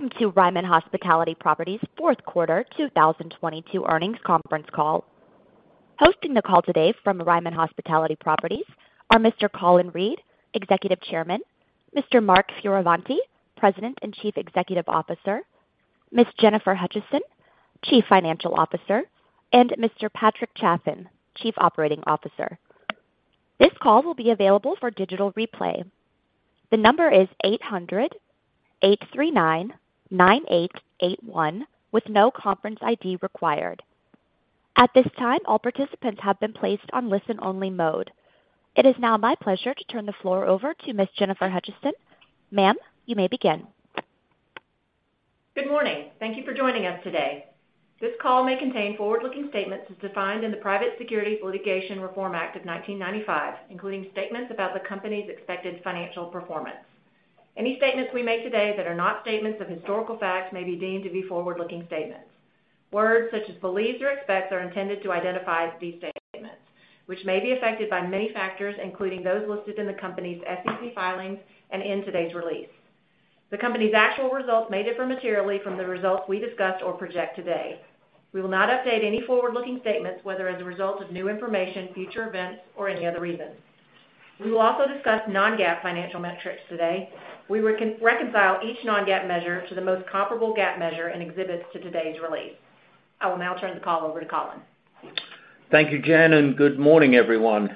Welcome to Ryman Hospitality Properties Q4 2022 Earnings Conference Call. Hosting the call today from Ryman Hospitality Properties are Mr. Colin Reed, Executive Chairman, Mr. Mark Fioravanti, President and Chief Executive Officer, Ms. Jennifer Hutcheson, Chief Financial Officer, and Mr. Patrick Chaffin, Chief Operating Officer. This call will be available for digital replay. The number is 800-839-9881 with no conference ID required. At this time, all participants have been placed on listen-only mode. It is now my pleasure to turn the floor over to Ms. Jennifer Hutcheson. Ma'am, you may begin. Good morning. Thank you for joining us today. This call may contain forward-looking statements as defined in the Private Securities Litigation Reform Act of 1995, including statements about the company's expected financial performance. Any statements we make today that are not statements of historical fact may be deemed to be forward-looking statements. Words such as believe or expect are intended to identify these statements, which may be affected by many factors, including those listed in the company's SEC filings and in today's release. The company's actual results may differ materially from the results we discussed or project today. We will not update any forward-looking statements, whether as a result of new information, future events, or any other reason. We will also discuss non-GAAP financial metrics today. We will reconcile each non-GAAP measure to the most comparable GAAP measure in exhibits to today's release. I will now turn the call over to Colin. Thank you, Jen. Good morning, everyone.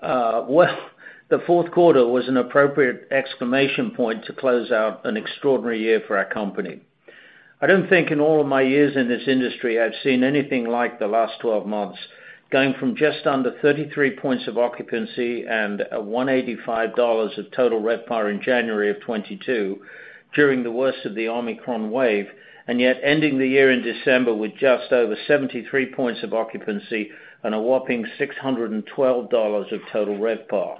Well, the Q4 was an appropriate exclamation point to close out an extraordinary year for our company. I don't think in all of my years in this industry I've seen anything like the last 12 months, going from just under 33 points of occupancy and $185 of total RevPAR in January 2022 during the worst of the Omicron wave, yet ending the year in December with just over 73 points of occupancy and a whopping $612 of total RevPAR.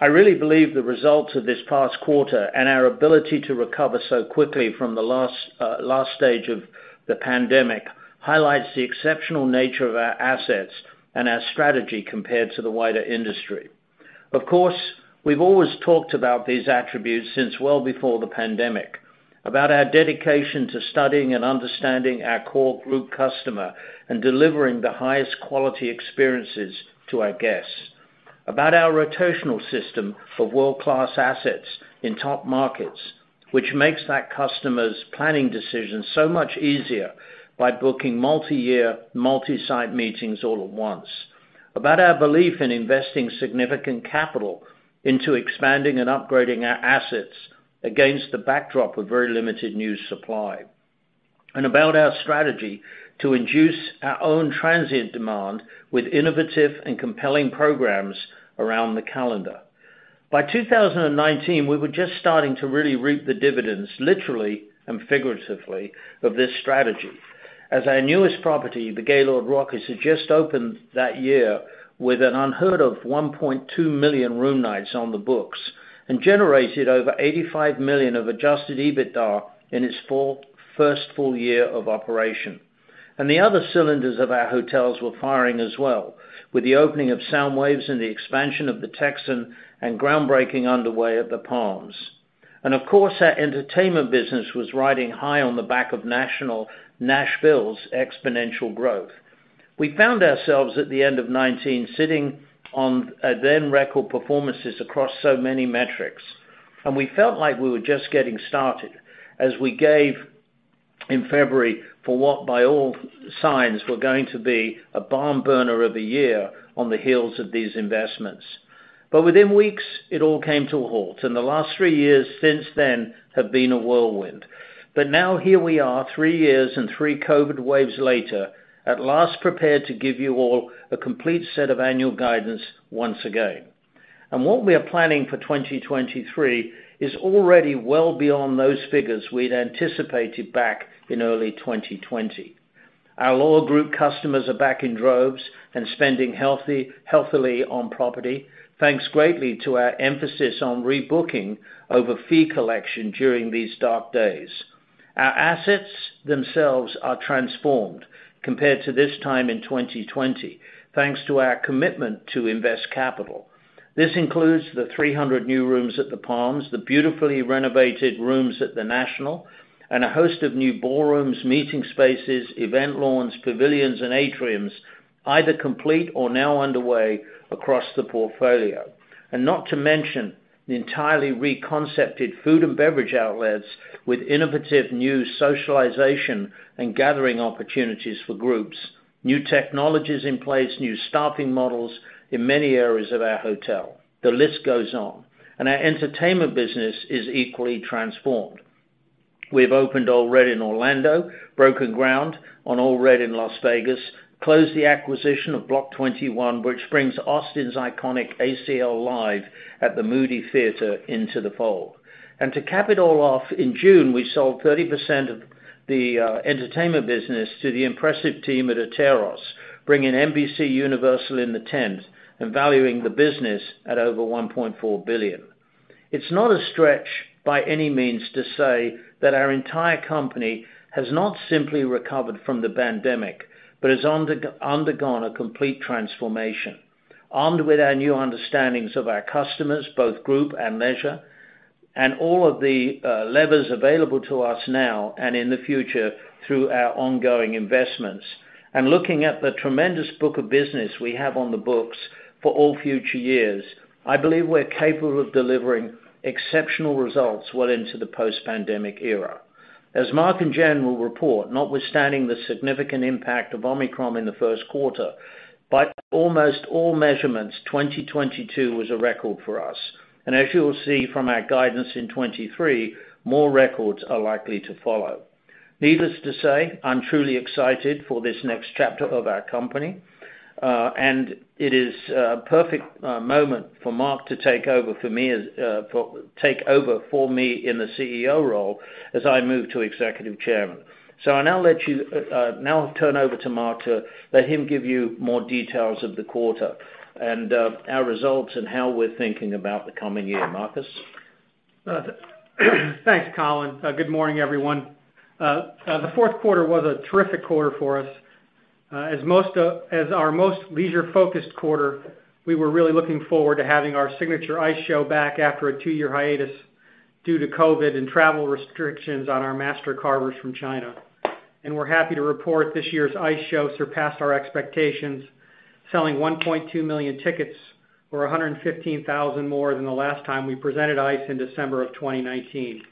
I really believe the results of this past quarter and our ability to recover so quickly from the last stage of the pandemic highlights the exceptional nature of our assets and our strategy compared to the wider industry. Of course, we've always talked about these attributes since well before the pandemic, about our dedication to studying and understanding our core group customer and delivering the highest quality experiences to our guests. About our rotational system of world-class assets in top markets, which makes that customer's planning decisions so much easier by booking multi-year, multi-site meetings all at once. About our belief in investing significant capital into expanding and upgrading our assets against the backdrop of very limited new supply. About our strategy to induce our own transient demand with innovative and compelling programs around the calendar. By 2019, we were just starting to really reap the dividends, literally and figuratively, of this strategy. As our newest property, the Gaylord Rockies, had just opened that year with an unheard of 1.2 million room nights on the books and generated over $85 million of adjusted EBITDA in its first full year of operation. The other cylinders of our hotels were firing as well, with the opening of SoundWaves and the expansion of The Texan and groundbreaking underway at The Palms. Of course, our entertainment business was riding high on the back of Nashville's exponential growth. We found ourselves at the end of 2019 sitting on a then record performances across so many metrics, and we felt like we were just getting started as we gave in February for what, by all signs, were going to be a bomb burner of a year on the heels of these investments. Within weeks, it all came to a halt, and the last 3 years since then have been a whirlwind. Now here we are, 3 years and 3 COVID waves later, at last prepared to give you all a complete set of annual guidance once again. What we are planning for 2023 is already well beyond those figures we'd anticipated back in early 2020. Our loyal group customers are back in droves and spending healthily on property, thanks greatly to our emphasis on rebooking over fee collection during these dark days. Our assets themselves are transformed compared to this time in 2020, thanks to our commitment to invest capital. This includes the 300 new rooms at The Palms, the beautifully renovated rooms at The National, a host of new ballrooms, meeting spaces, event lawns, pavilions, and atriums either complete or now underway across the portfolio. Not to mention the entirely reconcepted food and beverage outlets with innovative new socialization and gathering opportunities for groups, new technologies in place, new staffing models in many areas of our hotel. The list goes on. Our entertainment business is equally transformed. We've opened Ole Red in Orlando, broken ground on Ole Red in Las Vegas, closed the acquisition of Block 21, which brings Austin's iconic ACL Live at The Moody Theater into the fold. To cap it all off, in June, we sold 30% of the entertainment business to the impressive team at Atairos, bringing NBCUniversal in the tent and valuing the business at over $1.4 billion. It's not a stretch by any means to say that our entire company has not simply recovered from the pandemic, but has undergone a complete transformation. Armed with our new understandings of our customers, both group and leisure, and all of the levers available to us now and in the future through our ongoing investments, and looking at the tremendous book of business we have on the books for all future years, I believe we're capable of delivering exceptional results well into the post-pandemic era. As Mark and Jen will report, notwithstanding the significant impact of Omicron in the Q1, by almost all measurements, 2022 was a record for us. As you'll see from our guidance in 2023, more records are likely to follow. Needless to say, I'm truly excited for this next chapter of our company. It is a perfect moment for Mark to take over for me in the CEO role as I move to Executive Chairman. I'll now turn over to Mark to let him give you more details of the quarter and our results and how we're thinking about the coming year. Mark? Thanks, Colin. Good morning, everyone. The Q4 was a terrific quarter for us. As our most leisure-focused quarter, we were really looking forward to having our signature ice show back after a two-year hiatus due to COVID and travel restrictions on our master carvers from China. We're happy to report this year's ice show surpassed our expectations, selling 1.2 million tickets or 115,000 more than the last time we presented ice in December of 2019.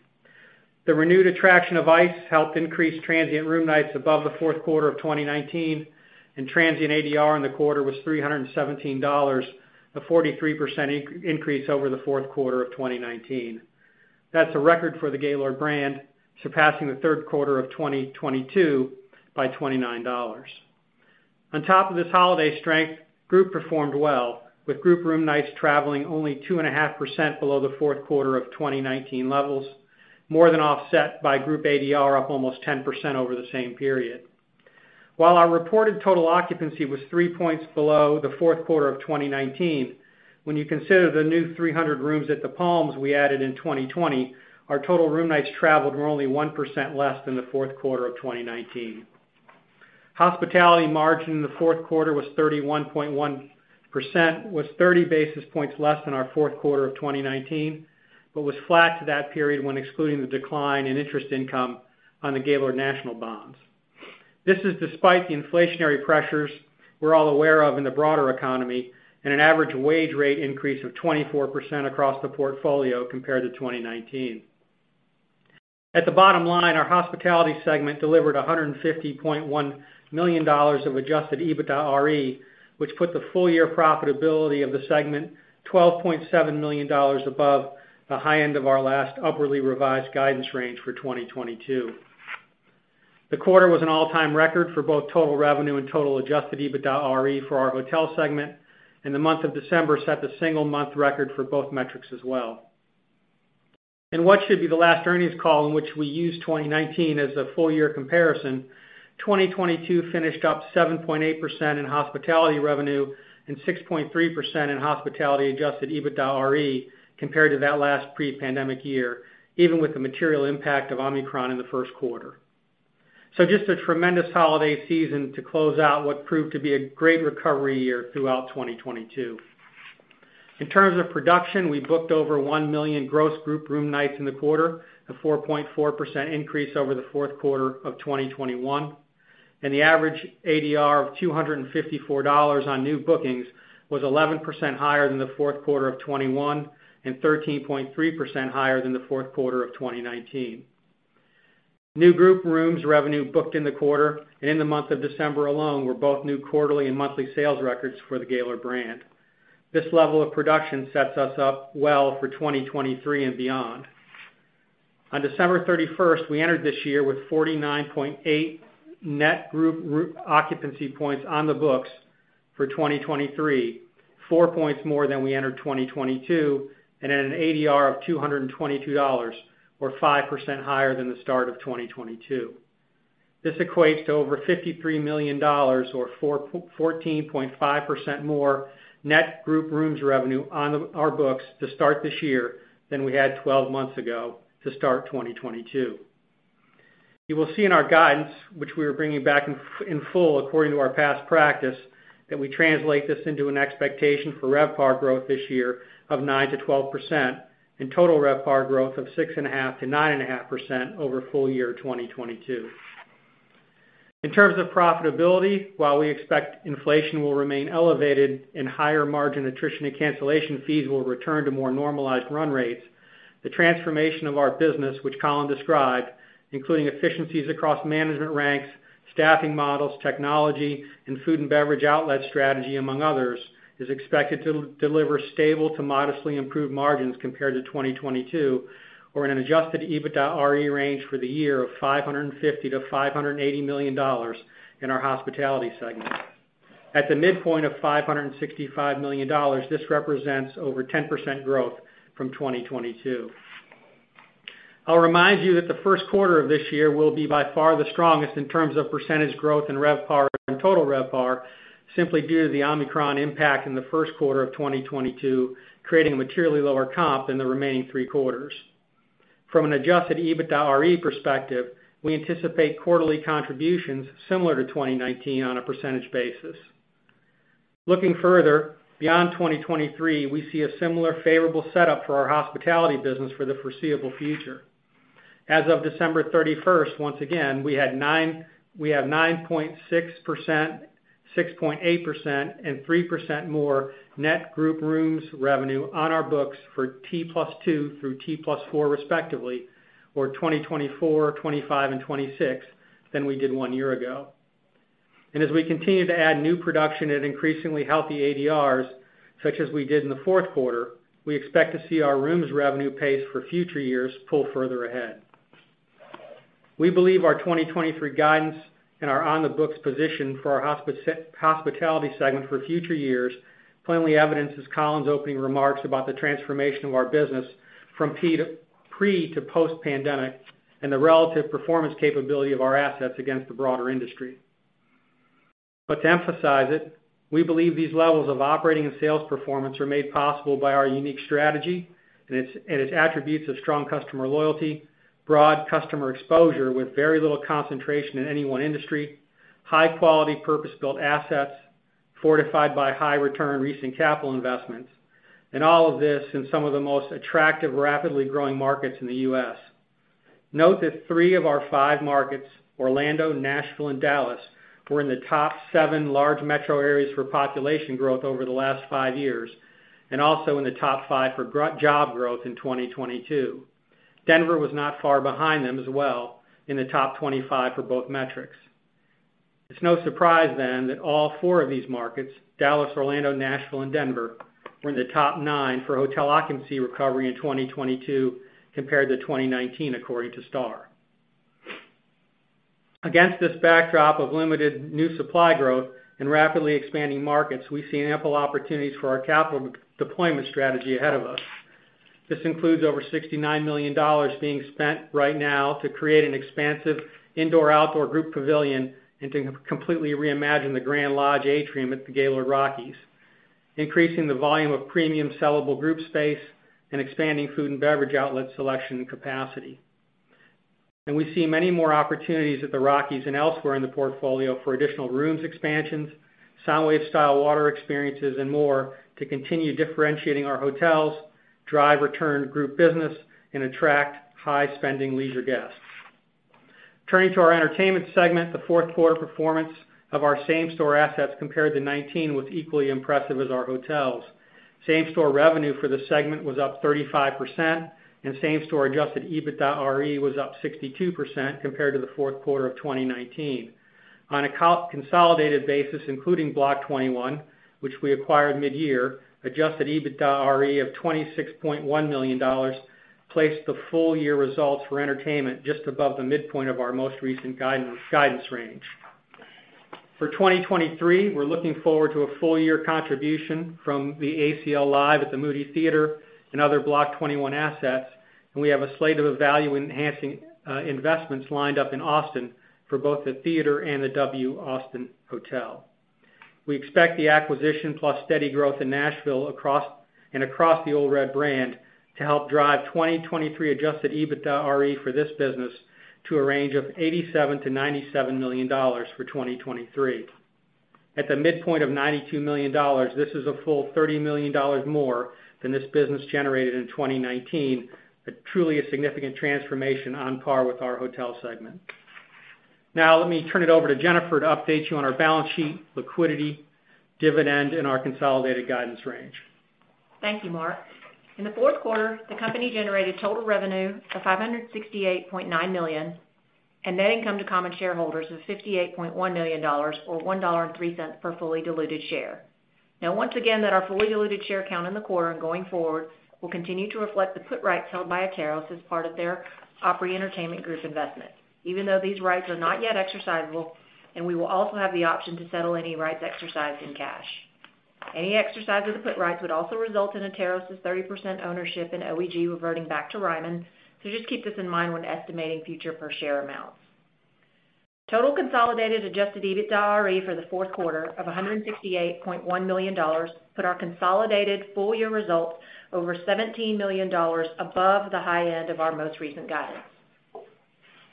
The renewed attraction of ice helped increase transient room nights above the Q4 of 2019, and transient ADR in the quarter was $317, a 43% increase over the Q4 of 2019. That's a record for the Gaylord brand, surpassing the Q3 of 2022 by $29. On top of this holiday strength, group performed well, with group room nights traveling only 2.5% below the Q4 of 2019 levels, more than offset by group ADR up almost 10% over the same period. While our reported total occupancy was 3 points below the Q4 of 2019, when you consider the new 300 rooms at The Palms we added in 2020, our total room nights traveled were only 1% less than the Q4 of 2019. Hospitality margin in the Q4 was 31.1%, was 30 basis points less than our Q4 of 2019, but was flat to that period when excluding the decline in interest income on the Gaylord National bonds. This is despite the inflationary pressures we're all aware of in the broader economy and an average wage rate increase of 24% across the portfolio compared to 2019. At the bottom line, our hospitality segment delivered $150.1 million of adjusted EBITDARE, which put the full year profitability of the segment $12.7 million above the high end of our last upwardly revised guidance range for 2022. The quarter was an all-time record for both total revenue and total adjusted EBITDARE for our hotel segment, and the month of December set the single month record for both metrics as well. In what should be the last earnings call in which we use 2019 as a full year comparison, 2022 finished up 7.8% in hospitality revenue and 6.3% in hospitality adjusted EBITDARE compared to that last pre-pandemic year, even with the material impact of Omicron in the Q1. Just a tremendous holiday season to close out what proved to be a great recovery year throughout 2022. In terms of production, we booked over 1 million gross group room nights in the quarter, a 4.4% increase over the Q4 of 2021, and the average ADR of $254 on new bookings was 11% higher than the Q4 of 2021 and 13.3% higher than the Q4 of 2019. New group rooms revenue booked in the quarter and in the month of December alone were both new quarterly and monthly sales records for the Gaylord brand. This level of production sets us up well for 2023 and beyond. On December 31, we entered this year with 49.8 net group occupancy points on the books for 2023, four points more than we entered 2022, and at an ADR of $222 or 5% higher than the start of 2022. This equates to over $53 million or 14.5% more net group rooms revenue on our books to start this year than we had 12 months ago to start 2022. You will see in our guidance, which we are bringing back in full according to our past practice, that we translate this into an expectation for RevPAR growth this year of 9% to 12% and total RevPAR growth of 6.5% to 9.5% over full year 2022. In terms of profitability, while we expect inflation will remain elevated and higher margin attrition and cancellation fees will return to more normalized run rates, the transformation of our business, which Colin described, including efficiencies across management ranks, staffing models, technology, and food and beverage outlet strategy, among others, is expected to deliver stable to modestly improved margins compared to 2022 or in an adjusted EBITDARE range for the year of $550 to 580 million in our hospitality segment. At the midpoint of $565 million, this represents over 10% growth from 2022. I'll remind you that the Q1 of this year will be by far the strongest in terms of percentage growth in RevPAR and total RevPAR simply due to the Omicron impact in the Q1 of 2022, creating a materially lower comp than the remaining three quarters. From an adjusted EBITDARE perspective, we anticipate quarterly contributions similar to 2019 on a percentage basis. Looking further, beyond 2023, we see a similar favorable setup for our hospitality business for the foreseeable future. As of December 31st, once again, we have 9.6%, 6.8%, and 3% more net group rooms revenue on our books for T+2 through T+4 respectively, or 2024, 2025, and 2026 than we did one year ago. As we continue to add new production at increasingly healthy ADRs, such as we did in the Q4, we expect to see our rooms revenue pace for future years pull further ahead. We believe our 2023 guidance and our on the books position for our hospitality segment for future years plainly evidences Colin Reed's opening remarks about the transformation of our business from pre to post-pandemic and the relative performance capability of our assets against the broader industry. To emphasize it, we believe these levels of operating and sales performance are made possible by our unique strategy and its attributes of strong customer loyalty, broad customer exposure with very little concentration in any one industry, high quality purpose-built assets fortified by high return recent capital investments, and all of this in some of the most attractive, rapidly growing markets in the U.S. Note that three of our five markets, Orlando, Nashville, and Dallas, were in the top seven large metro areas for population growth over the last five years, and also in the top five for job growth in 2022. Denver was not far behind them as well in the top 25 for both metrics. It's no surprise that all four of these markets, Dallas, Orlando, Nashville, and Denver, were in the top 9 for hotel occupancy recovery in 2022 compared to 2019, according to STR. Against this backdrop of limited new supply growth in rapidly expanding markets, we see ample opportunities for our capital deployment strategy ahead of us. This includes over $69 million being spent right now to create an expansive indoor-outdoor group pavilion and to completely reimagine the Grand Lodge atrium at the Gaylord Rockies, increasing the volume of premium sellable group space and expanding food and beverage outlet selection and capacity. We see many more opportunities at the Rockies and elsewhere in the portfolio for additional rooms expansions, SoundWaves style water experiences, and more to continue differentiating our hotels, drive return group business, and attract high-spending leisure guests. Turning to our entertainment segment, the Q4 performance of our same store assets compared to 2019 was equally impressive as our hotels. Same store revenue for the segment was up 35%, same store adjusted EBITDARE was up 62% compared to the Q4 of 2019. On a consolidated basis, including Block 21, which we acquired mid-year, adjusted EBITDARE of $26.1 million placed the full year results for entertainment just above the midpoint of our most recent guidance range. For 2023, we're looking forward to a full year contribution from the ACL Live at The Moody Theater and other Block 21 assets, we have a slate of value-enhancing investments lined up in Austin for both the theater and the W Austin Hotel. We expect the acquisition plus steady growth in Nashville across, and across the Ole Red brand to help drive 2023 adjusted EBITDARE for this business to a range of $87 to 97 million for 2023. At the midpoint of $92 million, this is a full $30 million more than this business generated in 2019, but truly a significant transformation on par with our hotel segment. Now, let me turn it over to Jennifer to update you on our balance sheet, liquidity, dividend, and our consolidated guidance range. Thank you, Mark. In the Q4, the company generated total revenue of $568.9 million, and net income to common shareholders of $58.1 million or $1.03 per fully diluted share. Once again that our fully diluted share count in the quarter and going forward will continue to reflect the put rights held by Atairos as part of their Opry Entertainment Group investment. Even though these rights are not yet exercisable, and we will also have the option to settle any rights exercised in cash. Any exercise of the put rights would also result in Atairos's 30% ownership in OEG reverting back to Ryman, so just keep this in mind when estimating future per share amounts. Total consolidated adjusted EBITDARE for the Q4 of $168.1 million put our consolidated full-year results over $17 million above the high end of our most recent guidance.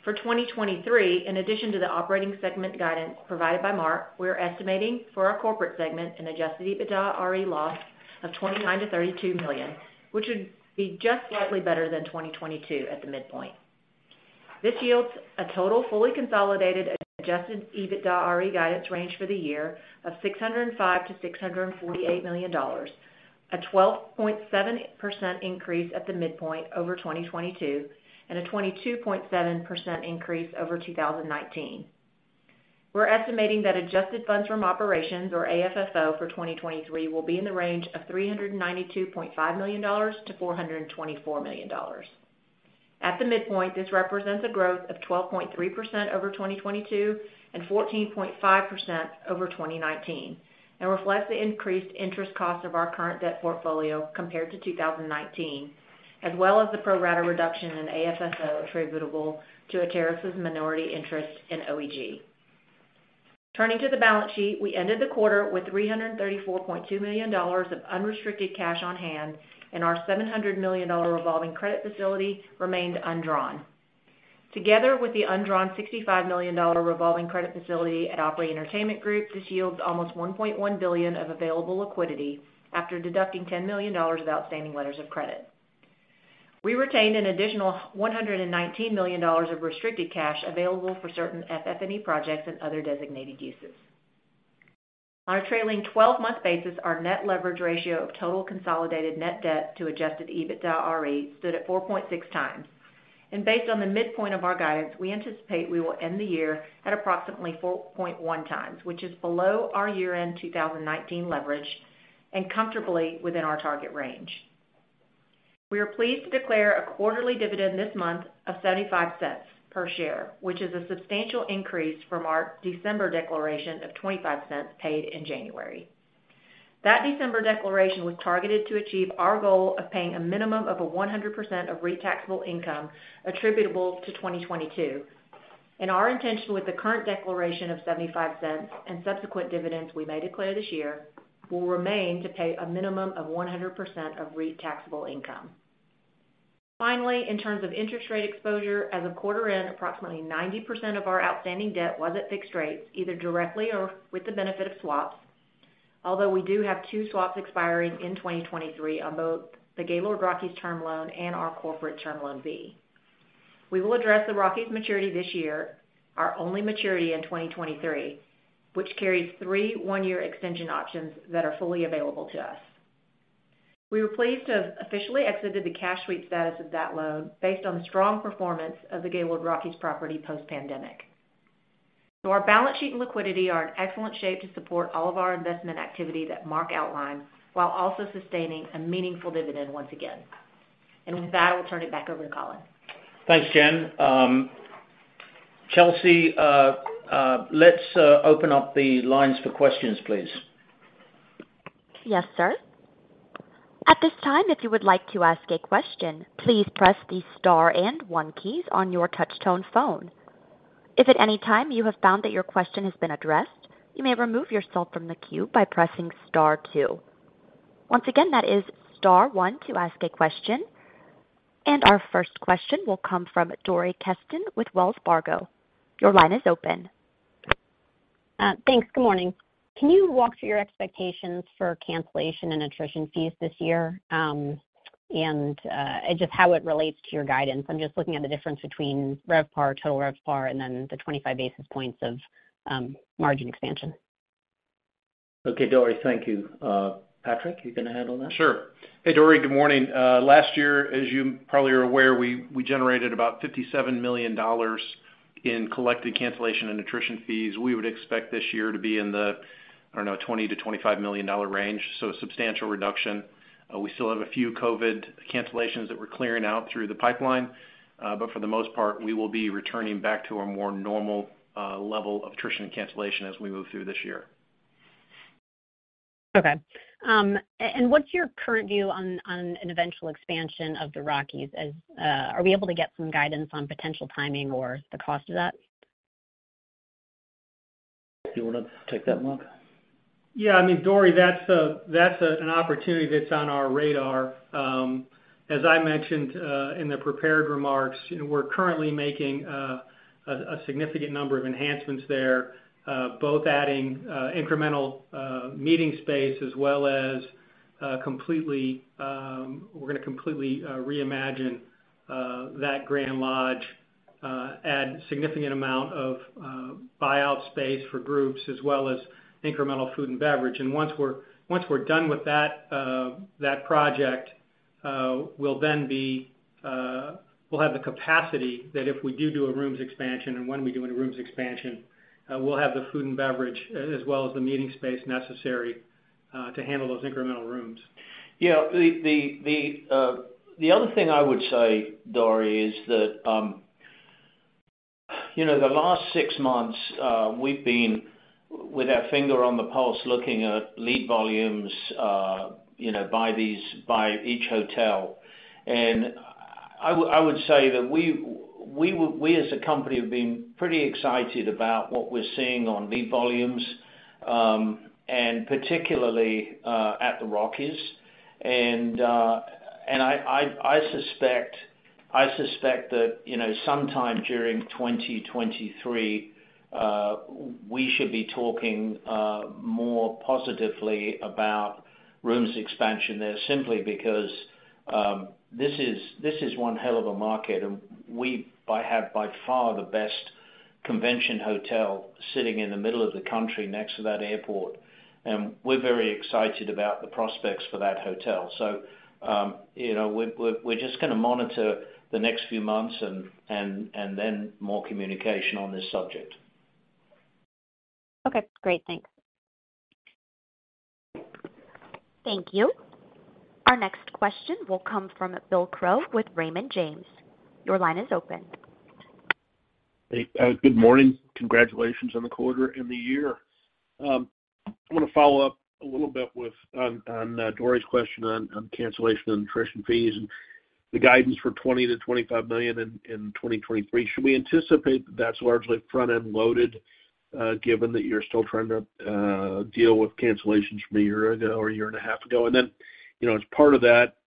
For 2023, in addition to the operating segment guidance provided by Mark, we're estimating for our corporate segment an adjusted EBITDARE loss of $29 to 32 million, which would be just slightly better than 2022 at the midpoint. This yields a total fully consolidated adjusted EBITDARE guidance range for the year of $605 to 648 million, a 12.7% increase at the midpoint over 2022, and a 22.7% increase over 2019. We're estimating that adjusted funds from operations, or AFFO, for 2023 will be in the range of $392.5 to 424 million. At the midpoint, this represents a growth of 12.3% over 2022 and 14.5% over 2019 and reflects the increased interest cost of our current debt portfolio compared to 2019, as well as the pro rata reduction in AFFO attributable to Atairos' minority interest in OEG. Turning to the balance sheet, we ended the quarter with $334.2 million of unrestricted cash on hand, and our $700 million revolving credit facility remained undrawn. Together with the undrawn $65 million revolving credit facility at Opry Entertainment Group, this yields almost $1.1 billion of available liquidity after deducting $10 million of outstanding letters of credit. We retained an additional $119 million of restricted cash available for certain FF&E projects and other designated uses. On a trailing 12-month basis, our net leverage ratio of total consolidated net debt to adjusted EBITDARE stood at 4.6 times. Based on the midpoint of our guidance, we anticipate we will end the year at approximately 4.1 times, which is below our year-end 2019 leverage and comfortably within our target range. We are pleased to declare a quarterly dividend this month of $0.75 per share, which is a substantial increase from our December declaration of $0.25 paid in January. That December declaration was targeted to achieve our goal of paying a minimum of a 100% of REIT taxable income attributable to 2022. Our intention with the current declaration of $0.75 and subsequent dividends we may declare this year will remain to pay a minimum of 100% of REIT taxable income. Finally, in terms of interest rate exposure, as of quarter end, approximately 90% of our outstanding debt was at fixed rates, either directly or with the benefit of swaps. Although we do have two swaps expiring in 2023 on both the Gaylord Rockies term loan and our corporate Term Loan B. We will address the Rockies maturity this year, our only maturity in 2023, which carries 3 one-year extension options that are fully available to us. We were pleased to have officially exited the cash sweep status of that loan based on the strong performance of the Gaylord Rockies property post-pandemic. Our balance sheet and liquidity are in excellent shape to support all of our investment activity that Mark outlined, while also sustaining a meaningful dividend once again. With that, I will turn it back over to Colin. Thanks, Jen. Chelsea, let's open up the lines for questions, please. Yes, sir. At this time, if you would like to ask a question, please press the star and one keys on your touch tone phone. If at any time you have found that your question has been addressed, you may remove yourself from the queue by pressing star two. Once again, that is star one to ask a question. Our first question will come from Dori Kesten with Wells Fargo. Your line is open. Thanks. Good morning. Can you walk through your expectations for cancellation and attrition fees this year? Just how it relates to your guidance. I'm just looking at the difference between RevPAR, total RevPAR, and then the 25 basis points of margin expansion. Okay, Dori, thank you. Patrick, you gonna handle that? Sure. Hey, Dori, good morning. Last year, as you probably are aware, we generated about $57 million in collected cancellation and attrition fees. We would expect this year to be in the, I don't know, $20 to 25 million range, so a substantial reduction. We still have a few COVID cancellations that we're clearing out through the pipeline. For the most part, we will be returning back to a more normal level of attrition and cancellation as we move through this year. Okay. What's your current view on an eventual expansion of the Rockies as? Are we able to get some guidance on potential timing or the cost of that? You wanna take that one, Mark? Yeah. I mean, Dori, that's an opportunity that's on our radar. As I mentioned in the prepared remarks, we're currently making a significant number of enhancements there, both adding incremental meeting space as well as completely... We're gonna completely reimagine that Grand Lodge, add significant amount of buyout space for groups as well as incremental food and beverage. Once we're done with that project, we'll then be, we'll have the capacity that if we do a rooms expansion, and when we do a rooms expansion, we'll have the food and beverage as well as the meeting space necessary to handle those incremental rooms. Yeah. The other thing I would say, Dori, is that, you know, the last six months, we've been with our finger on the pulse looking at lead volumes, you know, by each hotel. I would say that we as a company have been pretty excited about what we're seeing on lead volumes, and particularly at the Rockies. I suspect that, you know, sometime during 2023, we should be talking more positively about rooms expansion there simply because this is one hell of a market, and we have by far the best convention hotel sitting in the middle of the country next to that airport. We're very excited about the prospects for that hotel.you know, we're just gonna monitor the next few months and then more communication on this subject. Okay, great. Thanks. Thank you. Our next question will come from Bill Crow with Raymond James. Your line is open. Hey. Good morning. Congratulations on the quarter and the year. I'm gonna follow up a little bit on Dory's question on cancellation and attrition fees and the guidance for $20 million-$25 million in 2023. Should we anticipate that that's largely front-end loaded, given that you're still trying to deal with cancellations from a year ago or a year and a half ago? You know, as part of that,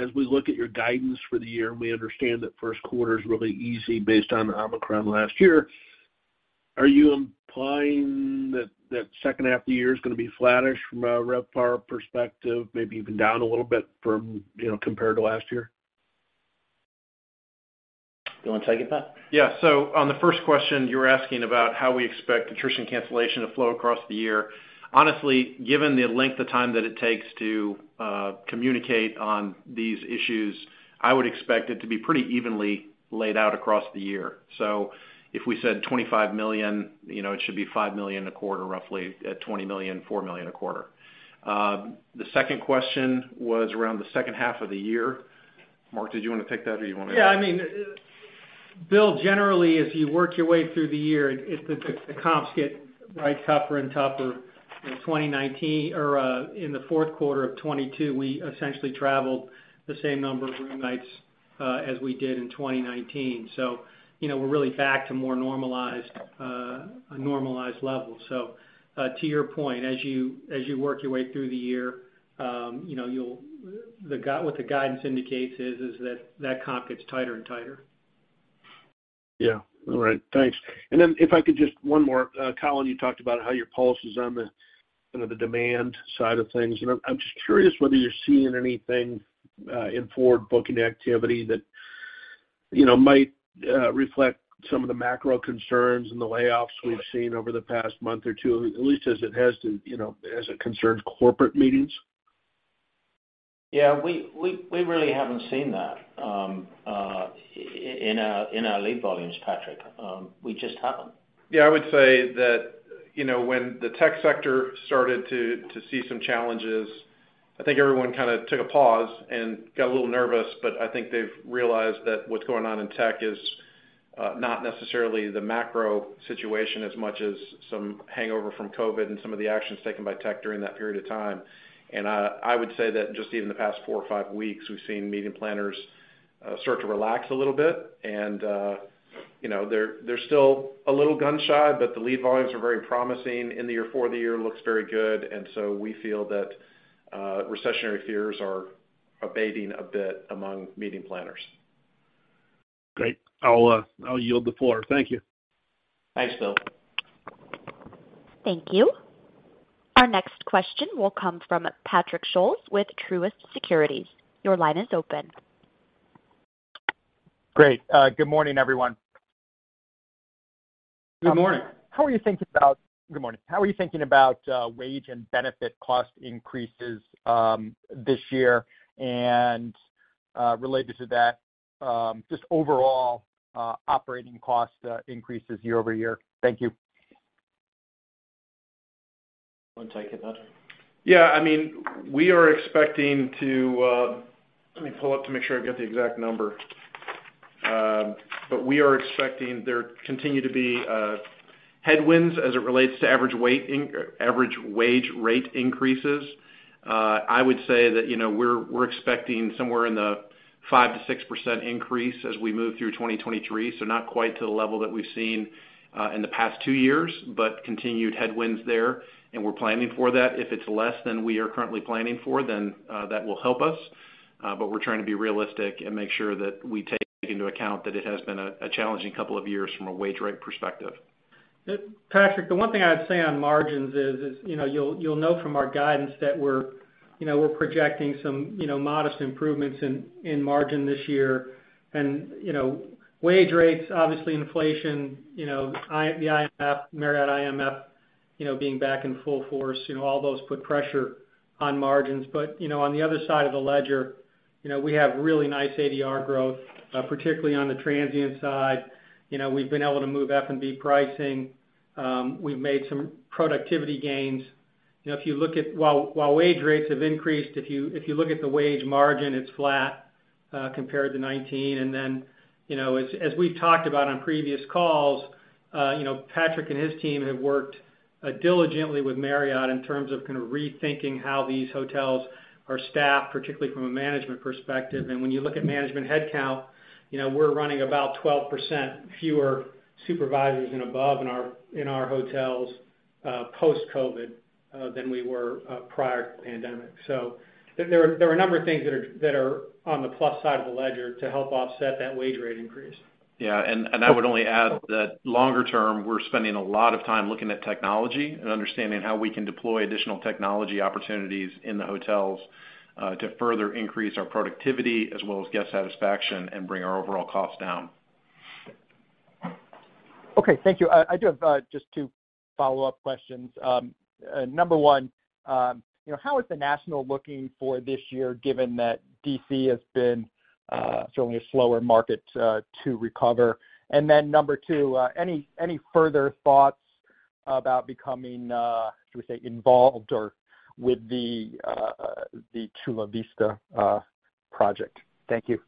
as we look at your guidance for the year, and we understand that Q1 is really easy based on Omicron last year, are you implying that that second half of the year is gonna be flattish from a RevPAR perspective, maybe even down a little bit from, you know, compared to last year? You wanna take it, Pat? Yeah. On the first question, you were asking about how we expect attrition cancellation to flow across the year. Honestly, given the length of time that it takes to communicate on these issues, I would expect it to be pretty evenly laid out across the year. If we said $25 million, you know, it should be $5 million a quarter, roughly at $20 million, $4 million a quarter. The second question was around the second half of the year. Mark, did you wanna take that? Yeah. I mean, Bill, generally, as you work your way through the year, it's the comps get, right, tougher and tougher. In 2019 or, in the Q4 of 2022, we essentially traveled the same number of room nights, as we did in 2019. You know, we're really back to more normalized, a normalized level. To your point, as you work your way through the year, you know, what the guidance indicates is that that comp gets tighter and tighter. Yeah. All right. Thanks. Then if I could just one more. Colin, you talked about how your pulse is on the, you know, the demand side of things. I'm just curious whether you're seeing anything in forward booking activity that, you know, might reflect some of the macro concerns and the layoffs we've seen over the past month or two, at least as it has to, you know, as it concerns corporate meetings. Yeah. We really haven't seen that, in our lead volumes, Patrick. We just haven't. Yeah. I would say that, you know, when the tech sector started to see some challenges, I think everyone kind of took a pause and got a little nervous, but I think they've realized that what's going on in tech is not necessarily the macro situation as much as some hangover from COVID and some of the actions taken by tech during that period of time. I would say that just even the past four or five weeks, we've seen meeting planners start to relax a little bit. You know, they're still a little gun shy, but the lead volumes are very promising in the year. Four of the year looks very good. We feel that recessionary fears are abating a bit among meeting planners. Great. I'll yield the floor. Thank you. Thanks, Bill. Thank you. Our next question will come from Patrick Scholes with Truist Securities. Your line is open. Great. good morning, everyone. Good morning. Good morning. How are you thinking about wage and benefit cost increases this year? Related to that, just overall operating cost increases year-over-year? Thank you. Wanna take it, Patrick? Yeah. I mean, we are expecting to... Let me pull up to make sure I get the exact number. We are expecting there continue to be headwinds as it relates to average weight average wage rate increases. I would say that, you know, we're expecting somewhere in the 5% to 6% increase as we move through 2023, so not quite to the level that we've seen in the past two years, but continued headwinds there, and we're planning for that. If it's less than we are currently planning for, then, that will help us, but we're trying to be realistic and make sure that we take into account that it has been a challenging couple of years from a wage rate perspective. Patrick, the one thing I'd say on margins is, you know, you'll know from our guidance that we're, you know, we're projecting some, you know, modest improvements in margin this year. You know, wage rates, obviously inflation, you know, the IMF, Marriott IMF, you know, being back in full force, you know, all those put pressure on margins. You know, on the other side of the ledger, you know, we have really nice ADR growth, particularly on the transient side. You know, we've been able to move F&B pricing. We've made some productivity gains. You know, if you look at while wage rates have increased, if you look at the wage margin, it's flat compared to 2019. You know, as we've talked about on previous calls, you know, Patrick and his team have worked diligently with Marriott in terms of kind of rethinking how these hotels are staffed, particularly from a management perspective. When you look at management headcount, you know, we're running about 12% fewer supervisors and above in our hotels post-COVID than we were prior to the pandemic. There are a number of things that are on the plus side of the ledger to help offset that wage rate increase. Yeah. I would only add that longer term, we're spending a lot of time looking at technology and understanding how we can deploy additional technology opportunities in the hotels, to further increase our productivity as well as guest satisfaction and bring our overall cost down. Okay. Thank you. I do have, just two follow-up questions. Number one, you know, how is The National looking for this year given that D.C. has been, certainly a slower market, to recover? Number two, any further thoughts about becoming, should we say, involved or with the Chula Vista, project? Thank you.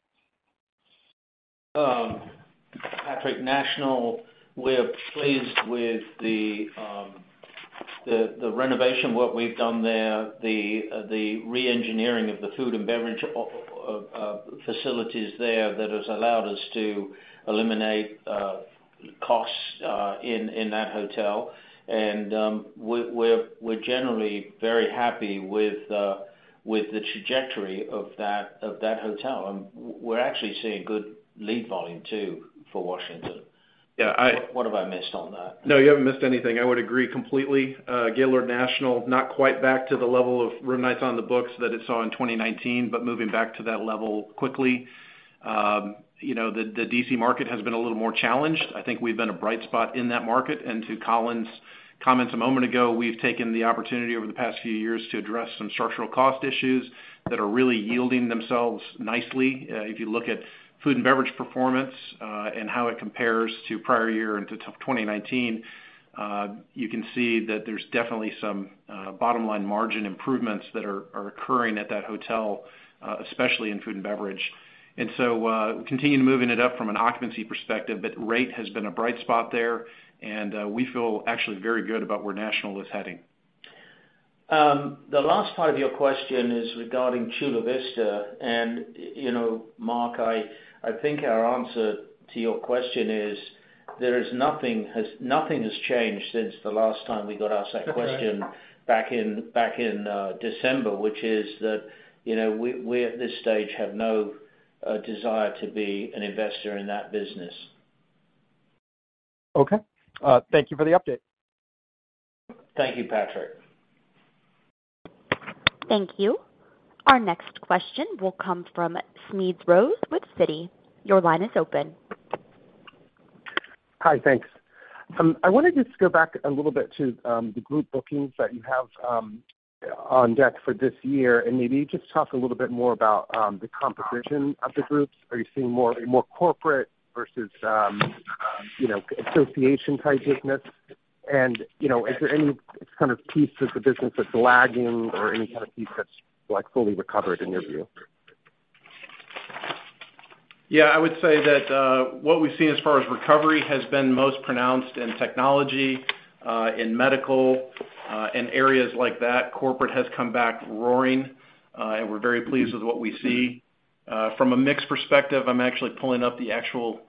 Gaylord National, we're pleased with the renovation work we've done there, the re-engineering of the food and beverage facilities there that has allowed us to eliminate costs in that hotel. We're generally very happy with the trajectory of that hotel, and we're actually seeing good lead volume too for Washington. Yeah. What have I missed on that? No, you haven't missed anything. I would agree completely. Gaylord National, not quite back to the level of room nights on the books that it saw in 2019, but moving back to that level quickly. you know, the D.C. market has been a little more challenged. I think we've been a bright spot in that market. To Colin's comments a moment ago, we've taken the opportunity over the past few years to address some structural cost issues that are really yielding themselves nicely. If you look at food and beverage performance, and how it compares to prior year and to 2019, you can see that there's definitely some bottom-line margin improvements that are occurring at that hotel, especially in food and beverage. Continuing moving it up from an occupancy perspective, but rate has been a bright spot there, and we feel actually very good about where National is heading. The last part of your question is regarding Chula Vista. You know, Mark, I think our answer to your question is, there is nothing has changed since the last time we got asked that question back in December, which is that, you know, we at this stage have no desire to be an investor in that business. Okay. Thank you for the update. Thank you, Patrick. Thank you. Our next question will come from Smedes Rose with Citi. Your line is open. Hi. Thanks. I want to just go back a little bit to the group bookings that you have on deck for this year, and maybe just talk a little bit more about the composition of the groups. Are you seeing more corporate versus, you know, association type business? You know, is there any kind of piece of the business that's lagging or any kind of piece that's, like, fully recovered in your view? Yeah. I would say that, what we've seen as far as recovery has been most pronounced in technology, in medical, in areas like that. Corporate has come back roaring, and we're very pleased with what we see. From a mix perspective, I'm actually pulling up the actual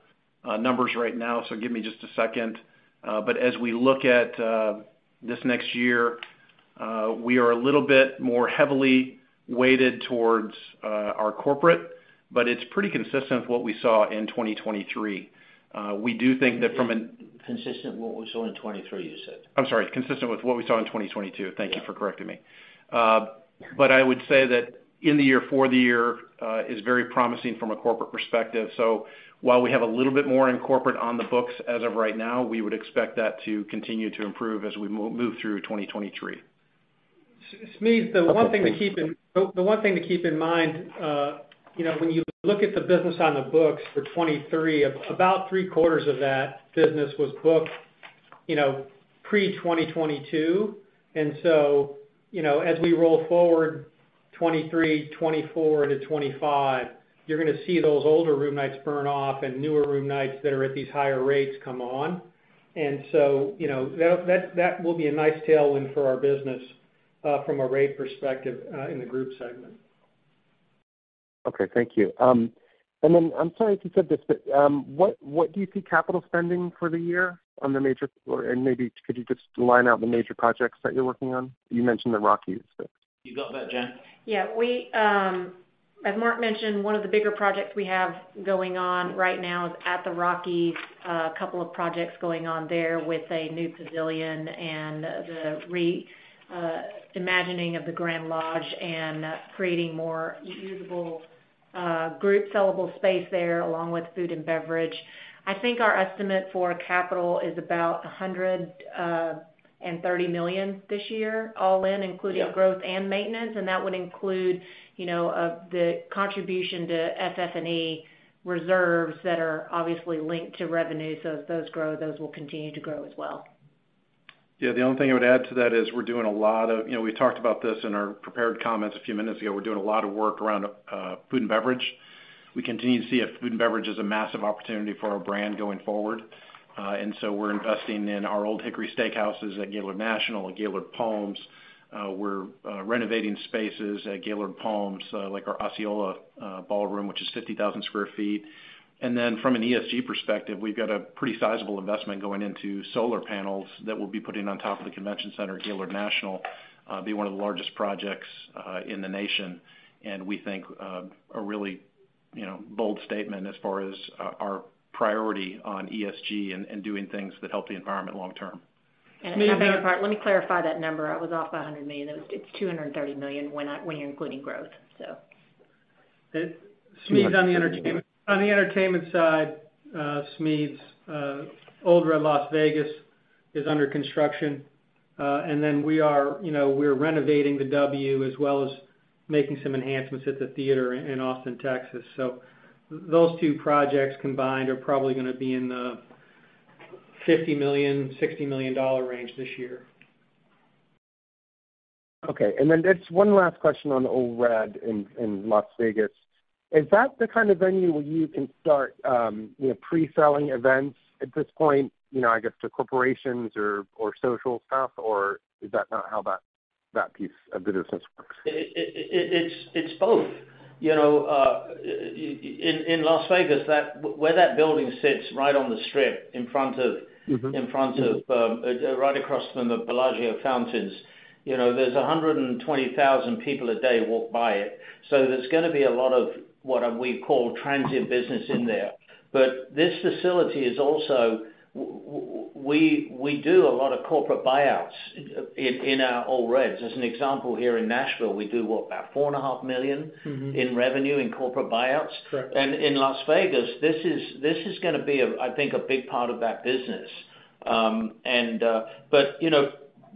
numbers right now, so give me just a second. As we look at this next year, we are a little bit more heavily weighted towards our corporate, but it's pretty consistent with what we saw in 2023. Consistent with what we saw in 2023, you said. I'm sorry, consistent with what we saw in 2022. Thank you for correcting me. I would say that in the year, for the year, is very promising from a corporate perspective. While we have a little bit more in corporate on the books as of right now, we would expect that to continue to improve as we move through 2023. Smedes, the one thing to keep in mind, you know, when you look at the business on the books for 2023, about 3 quarters of that business was booked, you know, pre-2022. You know, as we roll forward 2023, 2024 into 2025, you're gonna see those older room nights burn off and newer room nights that are at these higher rates come on. You know, that will be a nice tailwind for our business from a rate perspective in the group segment. Okay. Thank you. Then I'm sorry if you said this, but, what do you see capital spending for the year on the or, and maybe could you just line out the major projects that you're working on? You mentioned The Rockies. You got that, Jen? Yeah. We, as Mark mentioned, one of the bigger projects we have going on right now is at The Rockies. A couple of projects going on there with a new pavilion and the reimagining of the Grand Lodge and creating more usable group sellable space there, along with food and beverage. I think our estimate for capital is about $130 million this year, all in, including growth and maintenance, and that would include, you know, the contribution to FF&E reserves that are obviously linked to revenue. As those grow, those will continue to grow as well. Yeah. The only thing I would add to that is. You know, we talked about this in our prepared comments a few minutes ago. We're doing a lot of work around food and beverage. We continue to see food and beverage as a massive opportunity for our brand going forward. We're investing in our Old Hickory Steakhouse at Gaylord National and Gaylord Palms. We're renovating spaces at Gaylord Palms, like our Osceola Ballroom, which is 50,000 sq ft. From an ESG perspective, we've got a pretty sizable investment going into solar panels that we'll be putting on top of the convention center at Gaylord National. it'll be one of the largest projects in the nation, and we think, a really, you know, bold statement as far as our priority on ESG and doing things that help the environment long term. On my part, let me clarify that number. I was off by $100 million. It's $230 million when you're including growth. Smedes, on the entertainment side, Smedes, Ole Red Las Vegas is under construction, and then we are, you know, we're renovating W Austin as well as making some enhancements at The Theater in Austin, Texas. those two projects combined are probably going to be in the $50 to 60 million range this year. Okay. Just one last question on Ole Red in Las Vegas. Is that the kind of venue where you can start, you know, pre-selling events at this point, you know, I guess to corporations or social stuff? Or is that not how that piece of the business works? It's both. You know, in Las Vegas, where that building sits right on the strip in front of right across from the Bellagio Fountains, you know, there's 120,000 people a day walk by it. There's gonna be a lot of what, we call transient business in there. This facility is also we do a lot of corporate buyouts in our Ole Reds. As an example, here in Nashville, we do what? About four and a half million in revenue in corporate buyouts. Correct. In Las Vegas, this is gonna be a, I think, a big part of that business. But, you know,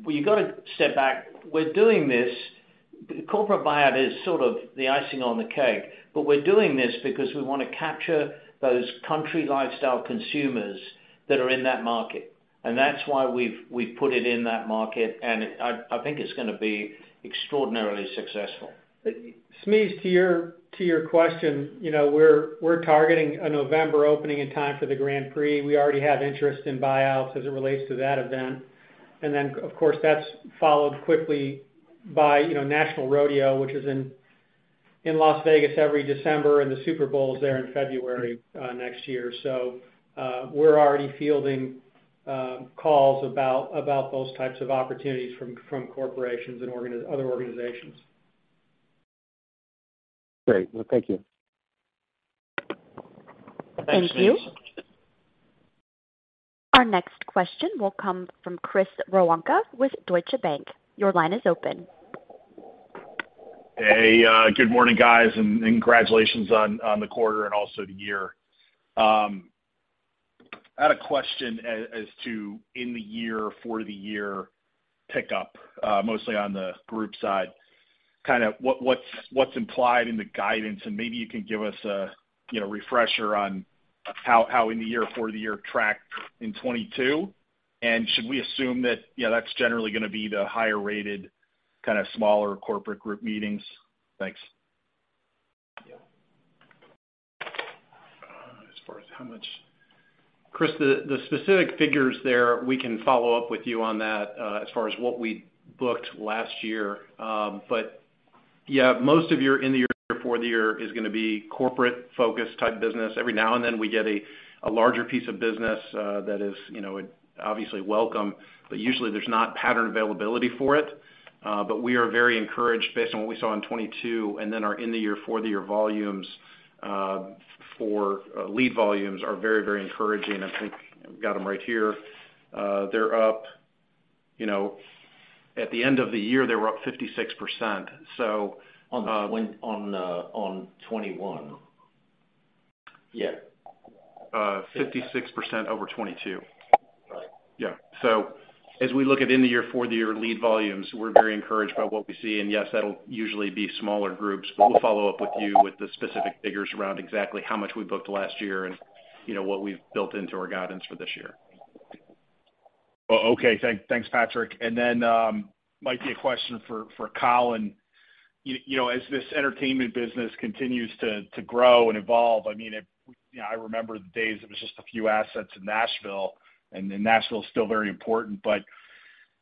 we got to step back. Corporate buyout is sort of the icing on the cake, but we're doing this because we wanna capture those country lifestyle consumers that are in that market. That's why we've put it in that market, and I think it's gonna be extraordinarily successful. Smees, to your question, you know, we're targeting a November opening in time for the Grand Prix. We already have interest in buyouts as it relates to that event. Of course, that's followed quickly by, you know, National Rodeo, which is in Las Vegas every December, and the Super Bowl is there in February next year. We're already fielding calls about those types of opportunities from corporations and other organizations. Great. Well, thank you. Thanks, Smedes. Thank you. Our next question will come from Chris Woronka with Deutsche Bank. Your line is open. Hey, good morning, guys, and congratulations on the quarter and also the year. I had a question as to in the year for the year pickup, mostly on the group side. Kind of what's implied in the guidance, and maybe you can give us a, you know, refresher on how in the year for the year tracked in 2022. Should we assume that, yeah, that's generally gonna be the higher rated kind of smaller corporate group meetings? Thanks. Yeah. As far as how much... Chris, the specific figures there, we can follow up with you on that, as far as what we booked last year. Yeah, most of your in the year for the year is gonna be corporate focused type business. Every now and then, we get a larger piece of business, that is, you know, obviously welcome. Usually there's not pattern availability for it. We are very encouraged based on what we saw in 2022 and then our in the year for the year volumes, for lead volumes are very, very encouraging. I think I've got them right here. They're up. You know, at the end of the year, they were up 56%. On when-- on, uh, on 'twenty-one? Yeah. 56% over 2022. Right. Yeah. As we look at in the year for the year lead volumes, we're very encouraged by what we see. Yes, that'll usually be smaller groups, but we'll follow up with you with the specific figures around exactly how much we booked last year and, you know, what we've built into our guidance for this year. Okay. Thanks, Patrick. Might be a question for Colin. You know, as this entertainment business continues to grow and evolve, I mean, if, you know, I remember the days it was just a few assets in Nashville is still very important.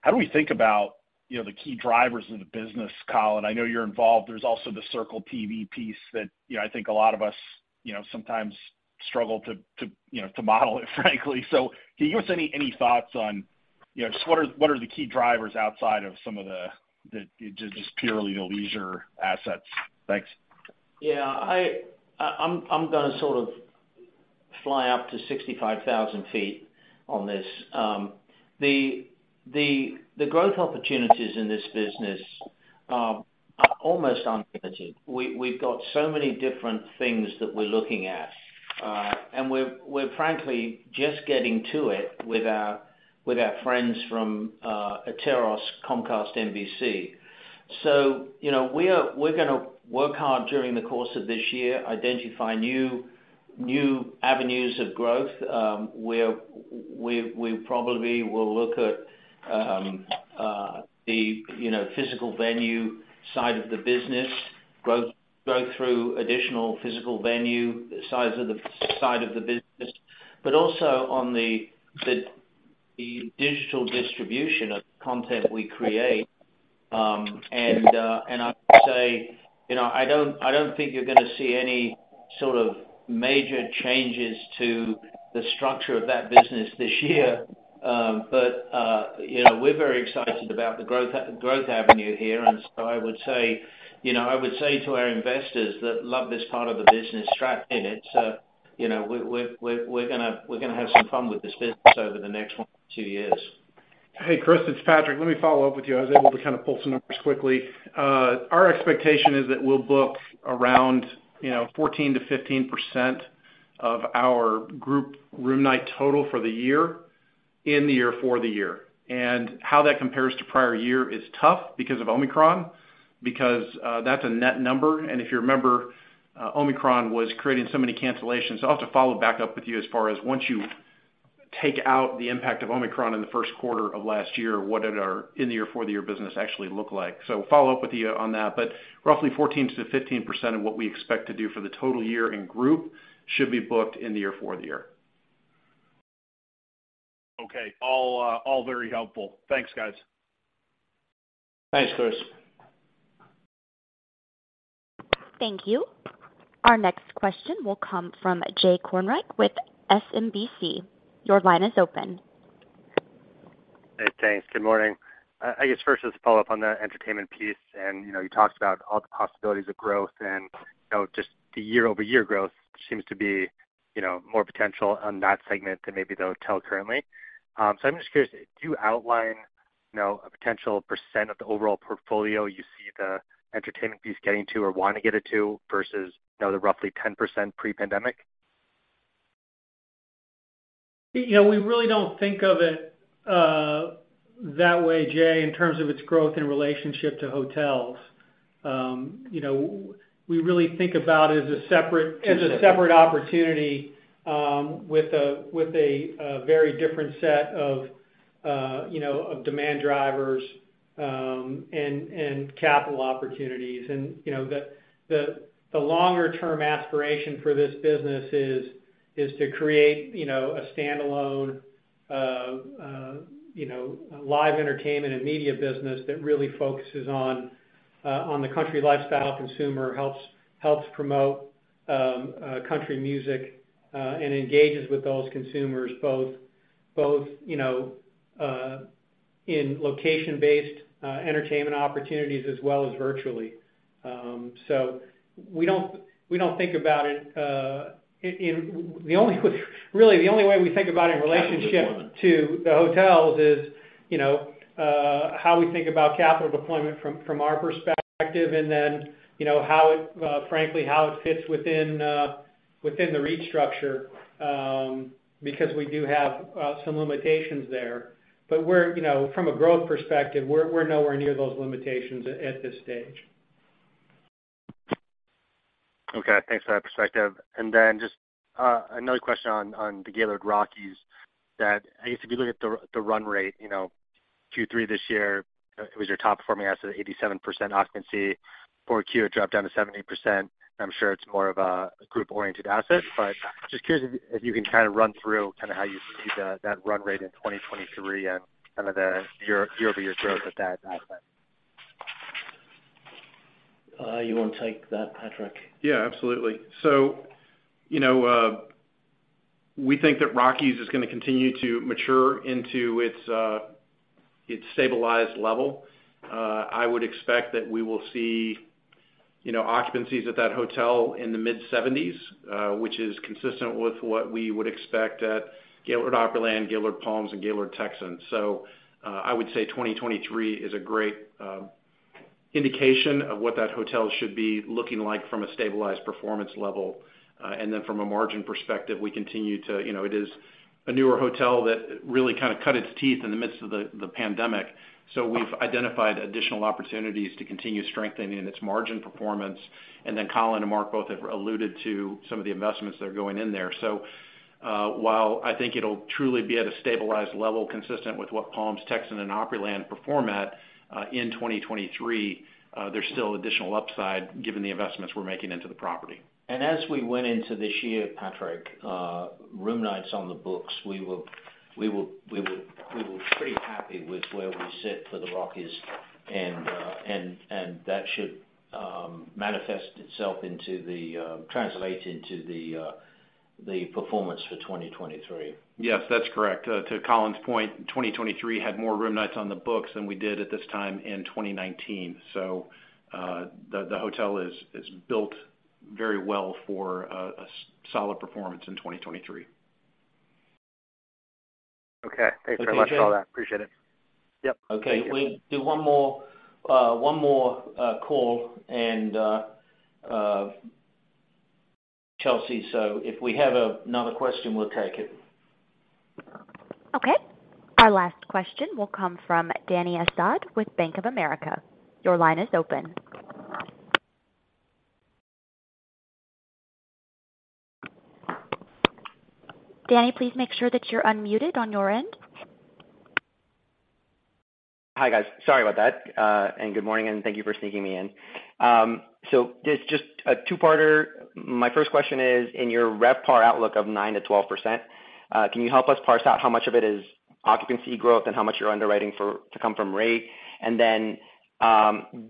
How do we think about, you know, the key drivers of the business, Colin? I know you're involved. There's also the Circle TV piece that, you know, I think a lot of us, you know, sometimes struggle to, you know, to model it, frankly. Can you give us any thoughts on, you know, just what are the key drivers outside of some of the just purely the leisure assets? Thanks. Yeah, I'm gonna sort of fly up to 65,000 feet on this. The growth opportunities in this business are almost unlimited. We've got so many different things that we're looking at. We're frankly just getting to it with our friends from Atairos Comcast NBC. You know, we're gonna work hard during the course of this year, identify new avenues of growth, where we probably will look at the, you know, physical venue side of the business, growth through additional physical venue side of the business, also on the digital distribution of content we create. I'd say, you know, I don't, I don't think you're gonna see any sort of major changes to the structure of that business this year. You know, we're very excited about the growth avenue here. I would say, you know, I would say to our investors that love this part of the business, strap in. It's, you know, we're gonna have some fun with this business over the next 1 to 2 years. Hey, Chris, it's Patrick. Let me follow up with you. I was able to kind of pull some numbers quickly. Our expectation is that we'll book around, you know, 14% to 15% of our group room night total for the year in the year for the year. How that compares to prior year is tough because of Omicron, because that's a net number. If you remember, Omicron was creating so many cancellations. I'll have to follow back up with you as far as once you take out the impact of Omicron in the Q1 of last year, what did our in the year, fourth year business actually look like? We'll follow up with you on that, but roughly 14% to 15% of what we expect to do for the total year in group should be booked in the year, fourth year. Okay. All, all very helpful. Thanks, guys. Thanks, Chris. Thank you. Our next question will come from Jay Kornreich with SMBC. Your line is open. Hey, thanks. Good morning. I guess first, just follow up on the entertainment piece and, you know, you talked about all the possibilities of growth and, you know, just the year-over-year growth seems to be, you know, more potential on that segment than maybe the hotel currently. I'm just curious, do you outline, you know, a potential percent of the overall portfolio you see the entertainment piece getting to or wanna get it to versus, you know, the roughly 10% pre-pandemic? You know, we really don't think of it, that way, Jay, in terms of its growth in relationship to hotels. You know, we really think about it as a separate opportunity, with a, with a very different set of, you know, of demand drivers, and capital opportunities. You know, the, the longer term aspiration for this business is to create, you know, a standalone, live entertainment and media business that really focuses on the country lifestyle consumer, helps promote country music, and engages with those consumers both, you know, in location-based entertainment opportunities as well as virtually. We don't, we don't think about it in. The only really, the only way we think about it in relationship to the hotels is, you know, how we think about capital deployment from our perspective and then, you know, how it frankly, how it fits within the REIT structure, because we do have some limitations there. We're, you know, from a growth perspective, we're nowhere near those limitations at this stage. Okay. Thanks for that perspective. Then just another question on the Gaylord Rockies that I guess if you look at the run rate, you know, Q3 this year, it was your top performing asset at 87% occupancy. For Q, it dropped down to 70%. I'm sure it's more of a group-oriented asset, but just curious if you can kind of run through kind of how you see that run rate in 2023 and some of the year-over-year growth at that asset. You wanna take that, Patrick? Yeah, absolutely. You know, we think that Rockies is gonna continue to mature into its stabilized level. I would expect that we will see, you know, occupancies at that hotel in the mid-70s, which is consistent with what we would expect at Gaylord Opryland, Gaylord Palms, and Gaylord Texan. I would say 2023 is a great indication of what that hotel should be looking like from a stabilized performance level. From a margin perspective, we continue to... You know, it is a newer hotel that really kind of cut its teeth in the midst of the pandemic. We've identified additional opportunities to continue strengthening its margin performance. Colin and Mark both have alluded to some of the investments that are going in there. While I think it'll truly be at a stabilized level consistent with what Palms, Texan, and Opryland perform at, in 2023, there's still additional upside given the investments we're making into the property. As we went into this year, Patrick, room nights on the books, we were pretty happy with where we sit for the Rockies and that should manifest itself into the translate into the performance for 2023. Yes, that's correct. To Colin's point, 2023 had more room nights on the books than we did at this time in 2019. The hotel is built very well for a solid performance in 2023. Okay. Thanks very much for all that. Appreciate it. Yep. Okay. We'll do one more call and Chelsea. If we have another question, we'll take it. Our last question will come from Dany Asad with Bank of America. Your line is open. Dany, please make sure that you're unmuted on your end. Hi, guys. Sorry about that. Good morning, and thank you for sneaking me in. This just a two-parter. My first question is, in your RevPAR outlook of 9%-12%, can you help us parse out how much of it is occupancy growth and how much you're underwriting to come from rate? Then,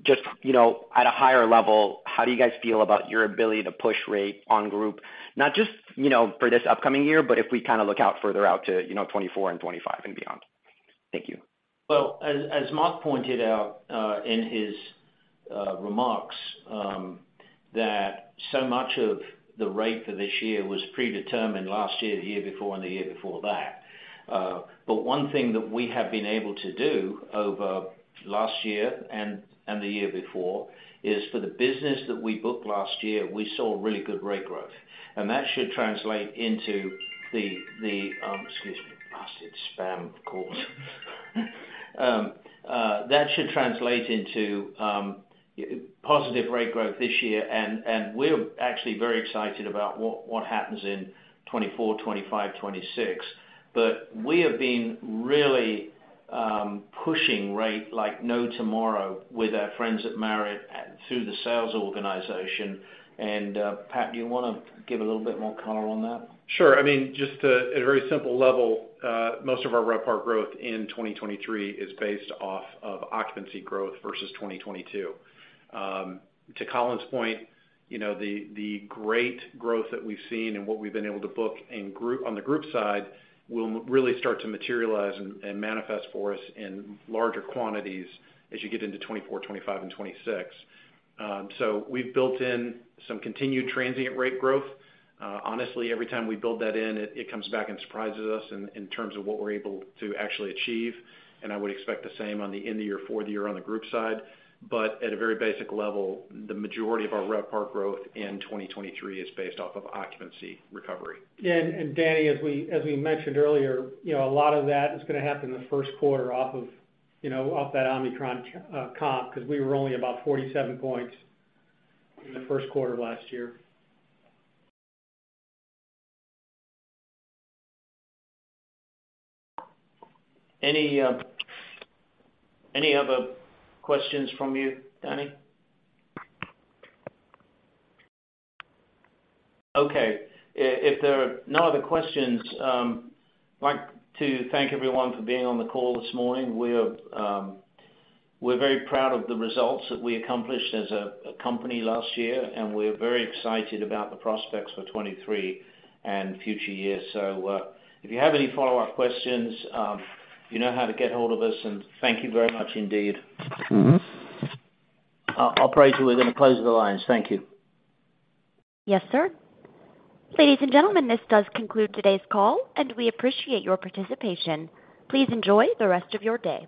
just, you know, at a higher level, how do you guys feel about your ability to push rate on group? Not just, you know, for this upcoming year, but if we kind of look out further out to, you know, 2024 and 2025 and beyond. Thank you. As Mark pointed out, in his remarks, that so much of the rate for this year was predetermined last year, the year before and the year before that. One thing that we have been able to do over last year and the year before is for the business that we booked last year, we saw really good rate growth. That should translate into the, excuse me. Spam, of course. That should translate into positive rate growth this year. We're actually very excited about what happens in 2024, 2025, 2026. We have been really pushing rate like no tomorrow with our friends at Marriott through the sales organization. Pat, do you wanna give a little bit more color on that? Sure. I mean, just at a very simple level, most of our RevPAR growth in 2023 is based off of occupancy growth versus 2022. To Colin's point, you know, the great growth that we've seen and what we've been able to book on the group side will really start to materialize and manifest for us in larger quantities as you get into 2024, 2025, and 2026. We've built in some continued transient rate growth. Honestly, every time we build that in, it comes back and surprises us in terms of what we're able to actually achieve, and I would expect the same on the end of year, fourth year on the group side. At a very basic level, the majority of our RevPAR growth in 2023 is based off of occupancy recovery. Yeah, Dany, as we mentioned earlier, you know, a lot of that is gonna happen in the Q1 off of, you know, off that Omicron comp, because we were only about 47 points in the Q1 of last year. Any other questions from you, Dany? Okay. If there are no other questions, I'd like to thank everyone for being on the call this morning. We're very proud of the results that we accomplished as a company last year. We're very excited about the prospects for 23 and future years. If you have any follow-up questions, you know how to get hold of us. Thank you very much indeed. Operator, we're gonna close the lines. Thank you. Yes, sir. Ladies and gentlemen, this does conclude today's call, and we appreciate your participation. Please enjoy the rest of your day.